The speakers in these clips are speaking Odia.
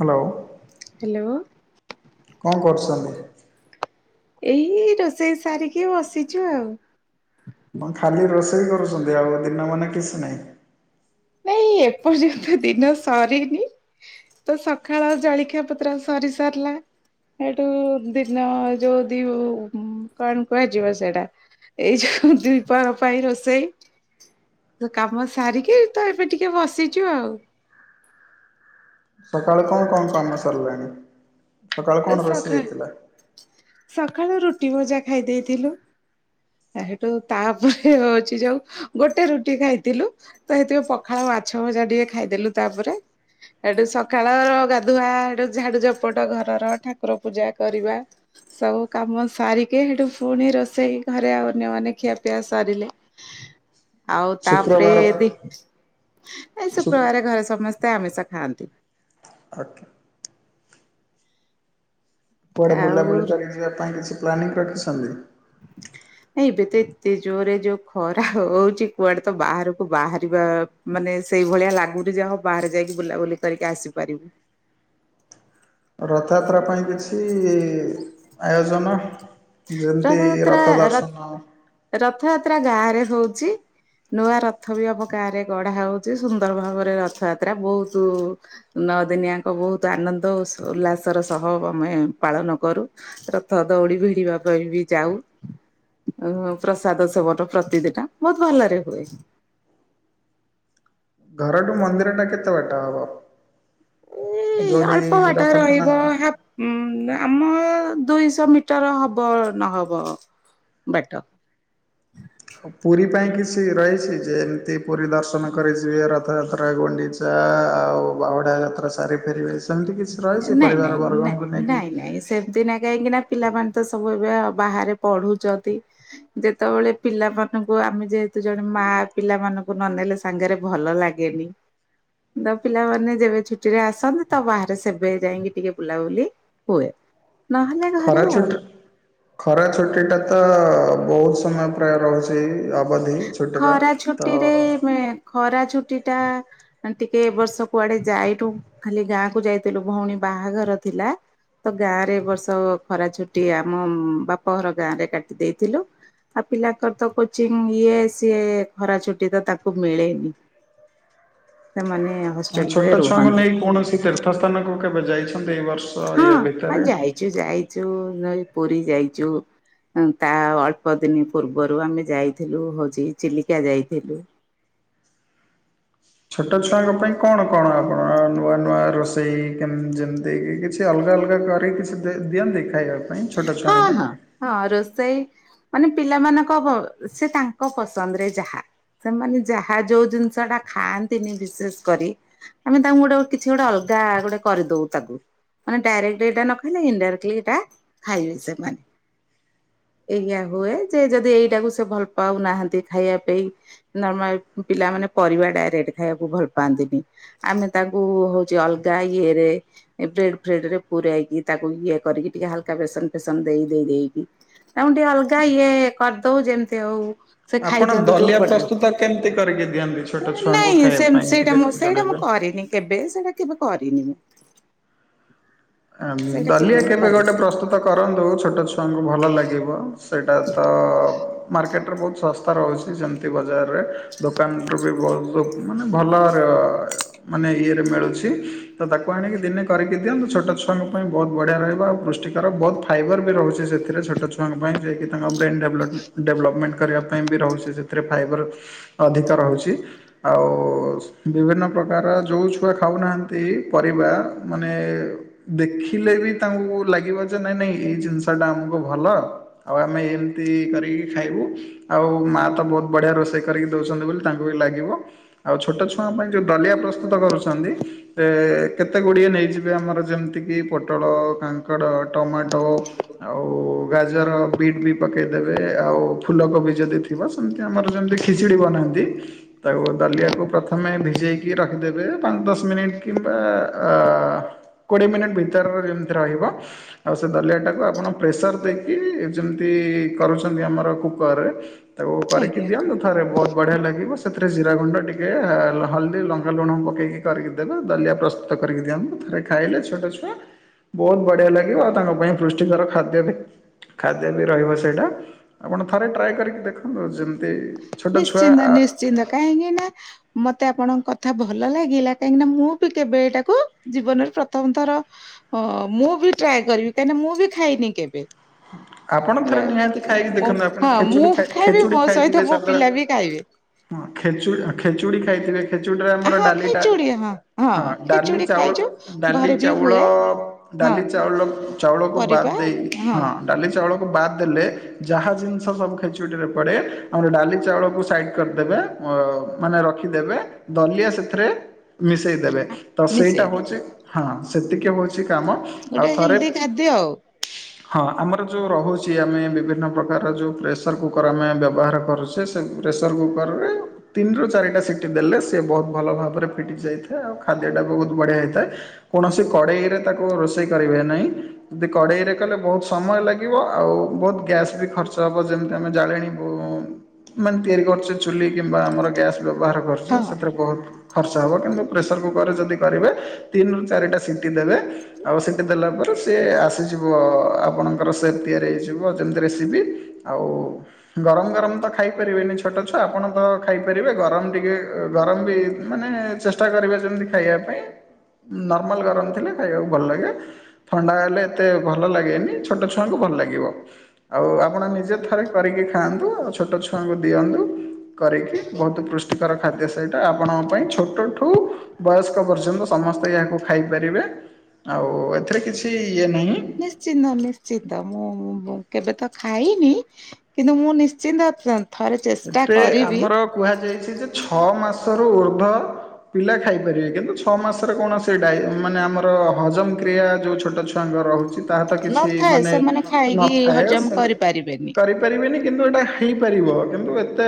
ହ୍ୟାଲୋ। ହ୍ୟାଲୋ। କଣ କରୁଛନ୍ତି? ଏଇ ରୋଷେଇ ସାରିକି ବସିଛୁ ଆଉ। ହଁ ଖାଲି ରୋଷେଇ କରୁଛନ୍ତି ଆଉ ଦିନ ମାନେ କିଛି ନାହିଁ? ନାଇଁ ଏପର୍ଯ୍ୟନ୍ତ ଦିନ ସରିନି। ତ ସକାଳ ଜଳଖିଆ ପତ୍ର ସରି ସାରିଲା। ସେଇଠୁ ଦିନ ଯୋଉ ଦି କଣ କୁହାଯିବ ସେଇଟା ଏଇ ଯୋଉ ଦ୍ଵିପହର ପାଇଁ ରୋଷେଇ କାମ ସାରିକି ତ ଏ ଏ ଟିକେ ବସିଛୁ ଆଉ। ସକାଳୁ କଣ କଣ କାମ ସାରିଲେଣି? ସକାଳ ସକାଳୁ ରୁଟି ଭଜା ଖାଇ ଦେଇଥିଲୁ। ତା ସେଠୁ ତାପରେ ହଉଛି ଯୋଉ ଗୋଟେ ରୁଟି ଖାଇଥିଲୁ। ତ ସେଥିପାଇଁ ପଖାଳ ମାଛ ଭଜା ଟିକେ ଖାଇଦେଲୁ ତାପରେ। ଏଠୁ ସକାଳର ଗାଧୁଆ ହେଠୁ ଝାଡୁ ଝପଟ ଘର ଘର ଠାକୁର ପୂଜା କରିବା। ସବୁ କାମ ସାରିକେ ହେଠୁ ପୁଣି ରୋଷେଇ ଘରେ ଆଉ ଅନ୍ୟମାନେ ଖିଆପିଆ ସରିଲେ ହ [unintelligible] ଆଉ ତାପରେ ଶୁକ୍ରବାର ବି ଏ ଶୁ ଶୁକ୍ରବାରେ ଘରେ ସମସ୍ତେ ଆମିଷ ଖାଆନ୍ତି ଓକେ। କୁଆଡ଼େ ଆଉ ବୁଲାବୁଲି କରି ଯିବା ପାଇଁ କିଛି ପ୍ଲାନିଂ ରଖିଛନ୍ତି? ହ [unintelligible] ନଁ ଏବେ ତ ଏତେ ଜୋରରେ ଯୋଉ ଖରା ହଉଛି କୁଆଡେ ତ ବାହାରକୁ ବାହାରିବା ମାନେ ସେଇଭଳିଆ ଲାଗୁନ ଯ ଆଉ ବାହାରେ ଯାଇକି ବୁଲାବୁଲି କରିକି ଆସିପାରିବୁ ରଥଯାତ୍ରା ପାଇଁ କିଛି ଆୟୋଜନ? ଯେମିତି ରଥଯାତ୍ରା ରଥ ର ଦର୍ଶନ ରଥଯାତ୍ରା ଗାଁ ରେ ହଉଛି ନୂଆ ରଥ ବି ଅବ ଗାଁ ରେ ଗଢା ହଉଛି ସୁନ୍ଦର ଭାବରେ ରଥଯାତ୍ରା ବହୁତ ନଅ ଦିନିଆଙ୍କ ବହୁତ ଆନନ୍ଦ ଉଲ୍ଲାସର ସହ ଆମେ ପାଳନ କରୁ ରଥ ଦଉଡ଼ି ଭିଡିବା କିବ ଯାଉ ପ୍ରସାଦ ସେବନ ପ୍ରତିଦିିନ ବହୁତ ଭଲରେ ହୁଏ ଘରଠୁ ମନ୍ଦିର ଟା କେତେ ବାଟା ହବ? ଏ ଯୋଉଠି ଅଳ୍ପ ବାଟ ରଥ ରହିବ ଟଣା ଉଁ ଆମ ଦୁଇଶହ ମିଟର ହବ ନହବ ବାଟ ପୁରୀ ପାଇଁ କିଛି ରହିଛି ଯେ ଏମିତି ପୁରୀ ଦର୍ଶନ କରି ଯିବେ ରଥଯାତ୍ରା ଗୁଣ୍ଡିଛି ଆଉ ବାହୁଡା ଯାତ୍ରା ସାରି ଫେରିବେ ସେମିତି କିଛି ରହିଛି ନାଇଁ ପରିବାର ନାଇଁ ନ ବର୍ଗଙ୍କୁ ନେଇକି ନାଇଁ ନାଇଁ ସେ ଦିନା କାହିଁକି ନା ପିଲାମାନେ ତ ସବୁ ଏବେ ବାହାରେ ପଢୁଛନ୍ତି ଯେତେବେଳେ ପିଲାମାନଙ୍କୁ ଆମେ ଯେହେତୁ ଜଣେ ମା ପିଲାମାନଙ୍କୁ ନ ନେଲେ ସାଙ୍ଗରେ ଭଲ ଲାଗେନି ତ ପିଲାମାନେ ଯେବେ ଛୁଟି ରେ ଆସନ୍ତି ତ ବାହା ସେବେ ଯାଇକି ଟିକେ ବୁଲାବୁଲି ହୁଏ ନହେଲେ ଘରେ ଖରା ଆଉ। ଛୁଟି ଖରା ଛୁଟିଟା ତ ବହୁତ ସମୟ ପ୍ରାୟ ରହୁଛି ଅବଧି ଛୁଟିର ଖରା ତ ଛୁଟି ରେ ନୁହେଁ ଖରା ଛୁଟି ଟା ମେ ଟିକେ ଏ ବର୍ଷ କୁଆଡେ ଯାଇଠୁ ଖାଲି ଗାଁକୁୁ ଯାଇଥିଲୁ ଭଉଣୀ ବାହାଘର ଥିଲା ତ ଗାଁ ରେ ବର୍ଷ ଖରା ଛୁଟି ଆମ ବାପ ଘର ଗାଁ ରେ କାଟି ଦେଇଥିଲୁ ଆଉ ପିଲାଙ୍କର ତ କୋଚିଂ ଇଏ ସିଏ ଖରା ଛୁଟି ତ ତାକୁ ମିଳେନି ସେମାନେ ହଁ ହଷ୍ଟେଲ ରେ ଛୋଟ ଛୁଆଙ୍କୁ ରୁହନ୍ତି ନେଇ କୌଣସି ତୀର୍ଥ ସ୍ଥାନକୁ କେବେ ଯାଇଛନ୍ତି ଏଇ ବର୍ଷ ଇଏ ଭିତରେ? କିଛୁ ଯାଇଛୁ ନ ପୁରୀ ଯାଇଛୁ ତା ଅଳ୍ପ ଦିନ ପୂର୍ବରୁ ଆମେ ଯାଇଥିଲୁ ହଉଛି ଚିଲିକା ଯାଇଥିଲୁ ଛୋଟ ଛୁଆଙ୍କ ପାଇଁ କଣ କଣ ଆପଣ ନୂଆ ନୂଆ ରୋଷେଇ ଯେମ୍ତି ଦେଇକି କିଛି ଅଲଗା ଅଲଗା କରିକି କିଛି ଦିଅନ୍ତି ଖାଇବା ପାଇଁ ଛୋଟ ହଁ ଛୁଆଙ୍କ ହଁ ପାଇଁ ହଁ ରୋଷେଇ ମାନେ ପିଲାମାନଙ୍କ ସେ ତାଙ୍କ ପସନ୍ଦରେ ଯାହା ସେମାନେ ଯାହା ଯୋଉ ଜିନିଷ ଟା ଖାଆନ୍ତିନି ବିଶେଷ କରି ଆମେ ତାଙ୍କୁ ଗୋଟେ କିଛି ଗୋଟେ ଅଲଗା ଗୋଟେ କରିଦଉ ତାକୁ ମାନେ ଡାଇରେକ୍ଟଲି ଏଇଟା ନ ଖାଇଲେ ଇଡାଇରେଟଲି ଏଇଟା ଖାଇବେ ସେମାନେ ଏଇଆ ହୁଏ ଯେ ଯଦି ଏଇଟାକୁ ସେ ଭଲ ପାଉନାହାନ୍ତି ଖାଇବା ପେଇଁ ନର୍ମା ପିଲାମାନେ ପରିବା ଡାଇରେକ୍ଟ ଖାଇବାକୁ ଭଲ ପାଆନ୍ତିନି ଆମେ ତାକୁ ହଉଛି ଅଲଗା ଇଏ ରେ ବ୍ରେଡ ଫ୍ରେଡ ରେ ପୁରାଇକି ତାକୁ ଇଏ କରିକି ଟିକେ ହାଲକା ବେସନ ଫେସନ ଦେଇ ଦେଇ ଦେଇେଇକି ତାଙ୍କୁ ଟିକେ ଅଲଗା ଇଏ କରିଦଉ ଯେମିତି ହଉ ସେ ଆପଣ ଖାଇଦିଅନ୍ତୁ ଯୋଉ ଦଲିଆ ପଟରେ ପ୍ରସ୍ତୁତ କେମିତି କରିକି ଦିଅନ୍ତି ଛୋଟ ଛୁଆଙ୍କୁ ନାଇଁ ଖାଇବା ସେମ୍ ପାଇଁ ସେଇଟା ଟିକେ ମୁଁ ସେଇଟା ମୁଁ ଜଣେଇବେ? କରିନି। କେବେ ସେଇଟା କେବେ କରିନି ମୁଁ। ସେଇଟା ଦଲିଆ ମୁଁ କେବେ କରିନି ଗୋଟେ ପ୍ରସ୍ତୁ ତ କରନ୍ତୁ ଛୋଟ ଛୁଆଙ୍କୁ ଭଲ ଲାଗିବ ସେଇଟା ତ ମାର୍କେଟରେ ବହୁତ ଶ ସ୍ତା ରହୁଛି ଯେମିତି ବଜାରରେ ଦୋକାନୁ ବି ବହୁତ ମାନେ ଭଲ ର ମାନେ ଇଏରେ ମିଳୁଛି ତ ତାକୁ ଆଣିକି ଦିନେ କରିକି ଦିଅନ୍ତୁ ଛୋଟ ଛୋ ଛୁଆଙ୍କ ପାଇଁ ବହୁତ ବଢ଼ିଆ ରହ ଆଉ ପୃଷ୍ଟିକର ବହୁତ ଫାଇବର ବି ରହୁଛି ସେଥିରେ ଛୋଟ ଛୁଆ ପାଇଁ ଯିଏକ ତାଙ୍କ ବ୍ରେନ୍ ଡେଭଲପମେଣ୍ଟ ଡେଭଲପମେଣ୍ଟ କରିବା ପାଇଁ ବି ରହୁଛି ସେଥିରେ ଫାଇବର ଅଧିକ ରହୁଛି। ଆଉ ବିଭିନ୍ନ ପ୍ରକାର ଯେଉଁ ଛୁଆ ଖାଉନାହାନ୍ତି ପରିବା ମାନେ ଦେଖିଲେ ବି ତାଙ୍କୁ ଲାଗିବ ଯେ ନାଇଁ ନାଇଁ ଏଇ ଜିନିଷ ଟା ଆମକୁ ଭଲ। ଆଉ ଆମେ ଏମିତି କରିକି ଖାଇବୁ। ଆଉ ମାଆ ତ ବହୁତ ବଢିଆ ରୋଷେଇ କରିକି ଦଉଛନ୍ତି ବୋଲି ତାଙ୍କୁ ବି ଲାଗିବ। ଆଉ ଛୋଟ ଛୁଆଙ୍କ ପାଇଁ ଯେଉଁ ଦଲିଆ ପ୍ରସ୍ତୁତ କରୁଛନ୍ତି ଏ କେତେ ଗୁଡ଼ିଏ ନେଇଯିବେ ଆମର ଯେମିତିକି ପୋଟଳ କାଙ୍କଡ଼ ଟମାଟୋ। ଆଉ ଗାଜର ବିଟ ବି ପକେଇଦବେ ଆଉ ଫୁଲକୋବି ଯଦି ଥିବ ସେମିତି ଆମର ଯେମିତି ଖିଚୁଡ଼ି ବନାନ୍ତି। ତାକୁ ଦାଲିଆକୁ ପ୍ରଥମେ ଭିଜେଇକି ରଖିଦେବେ ପାଞ୍ଚ ଦଶ ମିନିଟ୍ କିମ୍ବା ଆ କୋଡ଼ିଏ ମିନିଟ୍ ଭିତରରେ ଯେମିତି ରହିବ। ଆଉ ସେ ଦଲିଆ ଟାକୁ ଆପଣ ପ୍ରେସର ଦେଇକି ଯେମିତି କରୁଛନ୍ତି ଆମର କୁକର ରେ। ତାକୁ ଆଜ୍ଞା। କରିକିଦିଅନ୍ତୁ। ଥରେ ବହୁତ ବଢ଼ିଆ ଲାଗିବ ସେଥିରେ ଜିରା ଗୁଣ୍ଡ ଟିକିଏ ହଳଦୀ ଲଙ୍କା ଲୁଣ ପକେଇକି କରିକି ଦେବେ ଦଲିଆ ପ୍ରସ୍ତୁତ କରିକି ଦିଅନ୍ତୁ ଥରେ ଖାଇଲେ ଛୋଟ ଛୁଆ ବହୁତ ବଢିଆ ଲାଗିବ ଆଉ ତାଙ୍କ ପାଇଁ ପୃଷ୍ଟିକର ଖାଦ୍ୟ ବି ଖାଦ୍ୟ ବି ରହିବ ସେଇଟା ଆପଣ ଥରେ ଟ୍ରାଏ କରିକି ଦେଖନ୍ତୁ ଯେ ନିଶ୍ଚିନ୍ତ ନିଶ୍ଚିନ୍ତ କାହିଁକି ନା ମତେ ଆପଣଙ୍କ କଥା ଭଲ ଲାଗିଲା କାହିଁକିନା ମୁଁ ବି କେବେ ଏଇଟାକୁ ଜୀବନରେ ପ୍ରଥମ ଥର ହଁ ମୁଁ ବି ଟ୍ରାଏ କରିବି କାହିଁକିନା ମୁଁ ବି ଖାଇନି କେବେ। ଆପଣ ହେଲା ଥରେ ନିହାତି ଖାଇକି ଦେଖନ୍ତୁ ଆପଣ ହଁ ଖେଚୁଡ଼ି ମୁଁ ଖାଇ ଖାଇବି ଖେଚୁଡ଼ି ମୋ ଖାଇଥିବେ ସହିତ ମୋ ସାଧାରଣ ପିଲା ବି ଖାଇବେ। ହଁ ଖେଚୁଡ଼ି -ଖେଚୁଡ଼ି ଖାଇଥିବେ? ଖେଚୁଡ଼ିରେ ଆମର ହଁ ଡ଼ାଲି ଟା ଖେଚୁଡି ହଁ ହଁ ଡ଼ାଲି ଖେଚୁଡି ଚାଉଳ ଖାଇଛୁ - ଡ଼ାଲି ଘରେ ବି ଚାଉଳ ହୁଏ ହଁ। ଡ଼ାଲି ଚାଉଳ -ଚାଉଳକୁ ପରିବା ବାଦ ଦେଇ ହଁ। ଡ଼ାଲି ଚାଉଳକୁ ବାଦ୍ ଦେଲେ ଯାହା ଜିନିଷ ସବୁ ଖେଚୁଡ଼ିରେ ପଡ଼େ ଆମର ଡ଼ାଲି ଚାଉଳକୁ ସାଇଡ଼ କରିଦେବେ ଅ ମାନେ ରଖିଦେବେ ଦଲିଆ ସେଥିରେ ମିଶେଇଦବେ ତ ସେଇଟା ମିଶେଇ ଦେ, ହଉଛି ହଁ ସେତିକି ହଉଛି ହଉଚି କାମ ଆଉ ଗୋଟେ ଥରେ ହେଲ୍ଦି ଖାଦ୍ୟ ଆଉ ହଁ ଆମ ର ଯୋଉ ରହୁଛି ଆମେ ବିଭିନ୍ନ ପ୍ରକାର ଯୋଉ ପ୍ରେସର କୁକର ଆମେ ବ୍ୟବହାର କରୁଛେ ସେ ପ୍ରେସର କୁକରରେ ତିନି ରୁ ଚାରିଟା ସିଟି ଦେଲେ ସିଏ ବହୁତ ଭଲ ଭାବରେ ଫିଟି ଯାଇଥାଏ ଆଉ ଖାଦ୍ୟଟା ବି ବହୁତ ବଢ଼ିଆ ହେଇଥାଏ। କୌଣସି କଡେଇରେ ତାକୁ ରୋଷେଇ କରିବେ ନାହିଁ ଯଦି କଡେଇ ରେ କଲେ ବହୁତ ସମୟ ଲା ଗିବ ଆଉ ବହୁତ ଗ୍ୟାସ୍ ବି ଖର୍ଚ୍ଚ ହବ ଯେମତି ଆମେ ଜାଳେଣି ବୁ ମାନେ ତିଆରି କରୁଛେ ଚୁଲି କିମ୍ବା ଆମର ଗ୍ୟାସ୍ ବ୍ୟବହାର କରୁଛେ ହଁ। ସେଥିରେ ବହୁତ ଖର୍ଚ୍ଚ ହେବ କିନ୍ତୁ ପ୍ରେସର କୁକରରେ ଯଦି କରିବେ ତିନରୁ ଚାରିଟା ସିଟି ଦେବେ ଆଉ ସିଟି ଦେଲା ପରେ ସିଏ ଆସିଯିବ ଆପଣଙ୍କ ତାଙ୍କର ସେପ୍ ତିଆରି ହୋଇଇଯିବ ଯେମିତି ରେସିପି ଆଉ ଗରମ -ଗରମ ତ ଖାଇପାରିବେନି ଛୋଟ ଛୁଆ ଆପଣ ତ ଖାଇପାରିବେ ଗରମ ଟିକେ ଗରମ ବି ମାନେ ଚେଷ୍ଟା କରିବେ ଯେମିତି ଖାଇବା ପାଇଁ। ନର୍ମାଲ ଗରମ ଥିଲେ ଖାଇବାକୁ ଭଲ ଲାଗେ ଥଣ୍ଡା ହେଲେ ଏତେ ଭଲ ଲାଗେନି। ଛୋଟ ଛୁଆଙ୍କୁ ଭଲ ଲାଗିବ। ଆଉ ଆପଣ ନିଜେ ଥରେ କରିକି ଖାଆନ୍ତୁ ଆଉ ଛୋଟ ଛୁଆଙ୍କୁ ଦିଅନ୍ତୁ। କରିକି ବହୁତ ପୃଷ୍ଟିକର ଖାଦ୍ୟ ସେଇଟା ଆପଣଙ୍କ ପାଇଁ ଛୋଟଠୁ ବୟସ୍କ ପର୍ଯ୍ୟନ୍ତ ସମସ୍ତେ ଏହାକୁ ଖାଇପାରିବେ ଆଉ ଏଥିରେ କିଛି ଇଏ ନାହିଁ। ନିଶ୍ଚିନ୍ତ, ନିଶ୍ଚିତ ମୁଁ-ମୁଁ-ମୁଁ କେବେ ତ ଖାଇନି। କିନ୍ତୁ ମୁଁ ନିଶ୍ଚିନ୍ତ ଥରେ ଚେଷ୍ଟା ଏଥିରେ କରିବି। ଆମର କୁହାଯାଇଛି ଯେ ଛଅ ମାସରୁ ଉର୍ଦ୍ଧ୍ୱ ପିଲା ଖାଇପାରିବେ, କିନ୍ତୁ ଛଅ ମାସରେ କୌଣସି ଡାଇ ମାନେ ଆମର ହଜମ କ୍ରିୟା ଯୋଉ ଛୋଟ ଛୁ ଛୁଆଙ୍କ ରହୁଛି ତାହା ତ କିଛି ନଥାଏ ମାନେ ସେମାନେ ଖାଇକି ନଥାଏ ହଜମ ସେମ୍ କରିପାରିବେନି। କରି ପାରିବେନି କିନ୍ତୁ ଏଇଟା ହେଇପାରିବ। କିନ୍ତୁ ଏତେ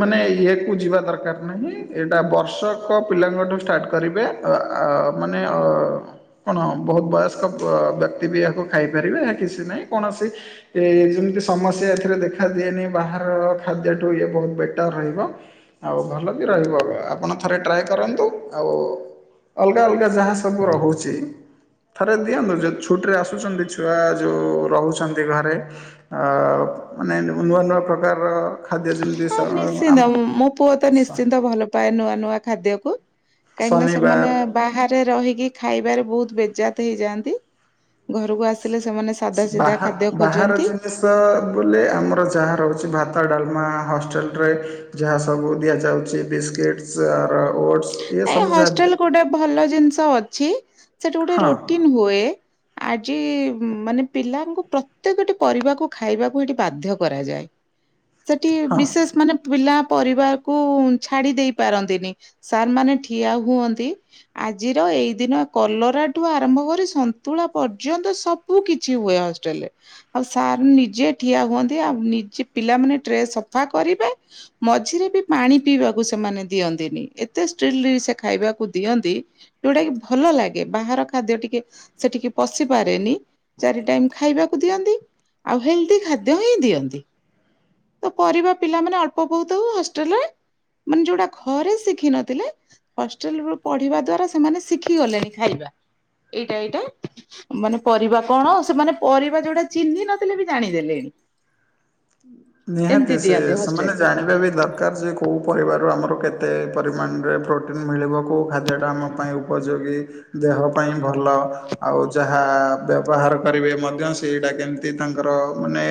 ମାନେ ଇଏକୁ ଯିବା ଦରକାର ନାହିଁ ଏଇଟା ବର୍ଷକ ପିଲାଙ୍କଠୁ ଷ୍ଟାର୍ଟ କରିବେ ଅ-ଆ ମାନେ ଅ-ଅ କଣ ବହୁତ ବୟସ୍କ ବ ବ୍ୟକ୍ତି ବି ଏହାକୁ ଖାଇପାରିବେ ଏହା କିଛି ନାହିଁ କୌଣସି ଏଇ ଯେମିତି ସମସ୍ୟା ଏଥିରେ ଦେଖା ଦିଏନି ବାହାର ଖାଦ୍ୟଠୁ ଇଏ ବହୁତ ବେଟର ରହିବ। ଆଉ ଭଲ ବି ରହିବ ଆପଣ ଥରେ ଟ୍ରାଏ କରନ୍ତୁ ଆଉ ଅଲଗା-ଅଲଗା ଯାହା ସବୁ ରହୁଛି। ଥରେ ଦିଅନ୍ତୁ ଯୋଉ ଛୁଟିରେ ଆସୁଛନ୍ତି ଛୁଆ ଯୋଉ ରହୁଛନ୍ତି ଘରେ। ଆ-ଆ ମାନେ ନୂ ନୂଆ-ନୂଆ ପ୍ରକାରର ଖାଦ୍ୟ ଜିମ୍ ହଁ ନିଶ୍ଚିନ୍ତ ମୋ ପୁଅ ତ ନିଶ୍ଚିନ୍ତ ଭଲ ପାଏ ନୂଆ ନୂଆ ଖାଦ୍ୟକୁ କାହିଁକିନା ସେମାନେ ଶନିବାର ବାହାରେ ରହିକି ଖାଇବାରେ ବହୁତ ବେଜାତ ହେଇଯାନ୍ତି, ଘରକୁ ଆସିଲେ ସେମାନେ ସେ ସାଧା ସିଧା ବାହା ଖାଦ୍ୟ ଖୋଜନ୍ତି। [inaudible] ବୋଲେ ଆମର ଯାହା ରହୁଛି ଭାତ, ଡ଼ାଲମା ହଷ୍ଟେଲରେ। ଯାହା ସବୁ ଦିଆଯାଉଛି ବିସ୍କିଟ୍ସ, ଆର ଓଟସ୍। ନାଇଁ ହଷ୍ଟେଲ ଗୋଟେ ଭଲ ଜିନିଷ ଅଛି ସେଠି ଗୋଟେ ହଁ ରୁଟିନ ହୁଏ। ଆଜି ମାନେ ପିଲାଙ୍କୁ ପ୍ରତ୍ୟେକଟି ପରିବାକୁ ଖାଇବାକୁ ହେଠି ବାଧ୍ୟ କରାଯାଏ। [unintelligible] ଁ ସେଠି ହଁ ବିଶେଷ ମାନେ ପିଲା ପରିବାକୁ ଛାଡ଼ିଦେଇ ପାରନ୍ତିନି, ସାର୍ ମାନେ ଠିଆ ହୁଅନ୍ତି। ଆଜିର ଏଇ ଦିନ କଲରାଠୁ ଆରମ୍ଭ କରି ସନ୍ତୁଳା ପର୍ଯ୍ୟନ୍ତ ସବ୍ ସବୁ କିଛି ହୁଏ ହଷ୍ଟେଲରେ। ଆଉ ସାର୍ ନିଜେ ଠିଆ ହୁଅନ୍ତି ଆଉ ନିଜେ ପିଲାମାନେ ଟ୍ରେ ସଫା କରିବେ। ମଝିରେ ବି ପାଣି ପିଇବାକୁ ସେମାନେ ଦିଅନ୍ତିନି ଏତେ [unintelligible] ସେ ଖାଇବାକୁ ଦିଅନ୍ତି। ଯୋଉଟା କି ଭଲ ଲାଗେ ବାହାର ଖାଦ୍ୟ ଟିକେ ସେଠିକି ପଶିପାରେନି। ଚାରି ଟାଇମ୍ ଖାଇବାକୁ ଦିଅନ୍ତି ଆଉ ହେଲଦି ଖାଦ୍ୟ ହିଁ ଦିଅନ୍ତି। ତ ପରିବା ପିଲାମାନେ ଅଳ୍ପ ବହୁତ ହଷ୍ଟେଲରେ ମାନେ ଯୋଉଟା ଘରେ ଶିଖିି ନଥିଲେ ହଷ୍ଟେଲରୁ ପଢିବା ଦ୍ଵାରା ସେମାନେ ଶିଖି ଗଲେଣି ଖାଇବା ଏଇଟା ଏଇଟା। ମାନେ ପରିବା କଣ, ସେମାନେ ପରିବା ଯୋଉଟା ଚିହ୍ନି ନଥିଲେ ବି ଜାଣିଦେଲେଣି। ନିହାତି ଏମିତି ସେ ଦିଅନ୍ତି ସେମାନେ ହଷ୍ଟେଲ। ଜାଣିବା ବି ଦରକାର ଯେ କୋଉ ପରିବା ରୁ ଆମର କେତେ ପରିମାଣରେ ପ୍ରୋଟିନ୍ ମିଳିବ କୋଉ ଖାଦ୍ୟଟା ଆମ ପାଇଁ ଉପଯୋଗୀ। ଦେହ ପାଇଁ ଭଲ ଆଉ ଯାହା ବ୍ୟବହାର କରିବେ ମଧ୍ୟ ସେଇଟା କେମିତି ତାଙ୍କର ମାନେ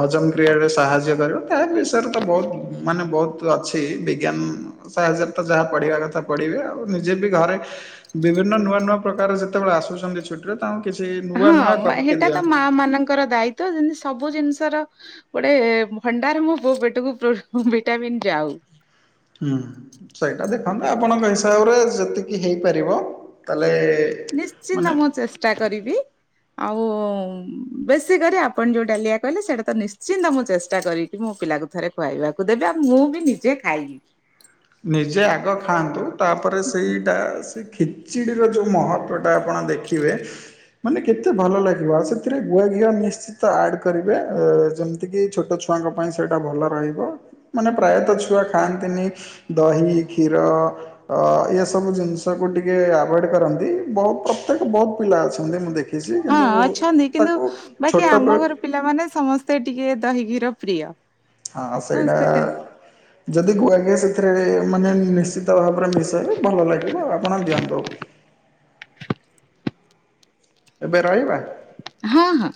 ହଜମ କ୍ରିୟାରେ ସାହାଯ୍ୟ କରିବ ତା ବିଷୟରେ ତ ବହୁତୁ ମାନେ ବହୁତୁ ଅଛି ବିଜ୍ଞାନ ସାହାଯ୍ୟରେ ତ ଯାହା ପଢ଼ିବା କଥା ପଢ଼ିବେ ଆଉ ନିଜେ ବି ଘରେ ବିଭିନ୍ନ ନୂଆ ନୂଆ ପ୍ରକାର ଯେତେବେଳେ ଆସୁଛନ୍ତି ଛୁଟିରେ ତାଙ୍କୁ କିଛି ନୂଆ ନୂଆ କରିକି ଦିଅନ୍ତୁ। ଏ ମାନଙ୍କର ଦାୟି ତ ଯେମିତି ସବୁ ଜିନିଷର ଗୋଟେ ଭଣ୍ଡାରେ ମୋ ପୁଅ ପେଟକୁ ଭିଟାମିିନ୍ ଯାଉ। ହୁଁ ସେଇଟା ଦେଖନ୍ତୁ ଆପଣଙ୍କ ହିସାବରେ ଯେତିକି ହେଇପାରିବ ତାହେଲେ ମାନେ ନିଶ୍ଚିନ୍ତ ମୁଁ ଚେଷ୍ଟା କରିବି। ଆଉ ବେଶୀ କରି ଆପଣ ଯୋଉ ଡାଲିଆ କହିଲେ ସେଇଟା ତ ନିଶ୍ଚିନ୍ତ ମୁଁ ଚେଷ୍ଟା କରିବି। ମୋ ପିଲାକୁ ଥରେ ଖୁଆଇବାକୁ ଦେବି ଆଉ ମୁଁ ବି ନିଜେ ଖାଇବି। ନିଜେ ଆଗ ଖାଆନ୍ତୁ ତାପରେ ସେଇଟା ଶିଖି ଖିଚିଡ଼ିର ଯୋଉଁ ମହତ୍ଵଟା ଆପଣ ଦେଖିବେ ମାନେ କେତେ ଭଲ ଲାଗିବ ଆଉ ସେଥିରେ ଗୁଆଘିଅ ମିଶି ନିଶ୍ଚିନ୍ତ ଆଡ କରିବେ ଆଉ ଯେମିତି କିି ଛୋଟ ଛୁଆଙ୍କ ପାଇଁ ସେଇଟା ଭଲ ରହିବ। ମାନେ ପ୍ରାୟତ ଛୁଆ ଖାଆନ୍ତିନି ଦହି, କ୍ଷୀର। ଅ ଏ ସବୁ ଜିନିଷକୁୁ ଟିକେ ଆଭଏଡ କରନ୍ତି ବହୁତ ପ୍ରତ୍ୟେକ ବହୁତ ପିଲା ଅଛନ୍ତି ମୁଁ ଦେଖ ବେଶି ହଁ କିନ୍ତୁ ଅଛନ୍ତି କିନ୍ତୁ ତାକୁ ବାକି ଆମ ଛୋଟବେଳୁ ଘର ପିଲାମାନେ ସମସ୍ତେ ଟିକେ ଦହି, କ୍ଷୀର, ପ୍ରିୟ। ହଁ ସେଇଟା ସମସ୍ତେ ଖା ଯଦି ଗୁଆଘିଅ ସେଥିରେ ମାନେ ମିସି ତା ଉପରେ ମିଶେଇବେ ଭଲ ଲାଗିବ ତ ଆପଣ ଦିଅନ୍ତୁ। ଏବେ ରହିବା? ହଁ-ହଁ।